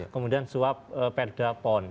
kemudian suap perda pon